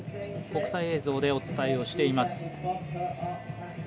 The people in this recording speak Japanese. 国際映像でお伝えをしています。